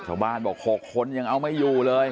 ชาวบ้านบอก๖คนยังเอาไม่อยู่เลย